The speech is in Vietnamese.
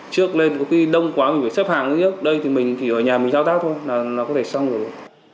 trước lên có khi đông quá mình phải xếp hàng nhất đây thì mình chỉ ở nhà mình thao tác thôi là nó có thể xong rồi